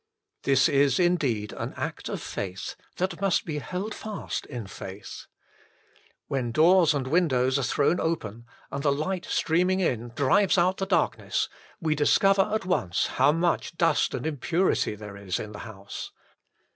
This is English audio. This is indeed an act of faith, that must be held fast in faith. When doors and windows are thrown open, and the light streaming in drives out the darkness, we discover at once how much dust and impurity there is in the house.